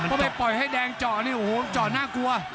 พอไปปล่อยให้แดงเจาะนี่โอ้โหเจาะน่ากลัว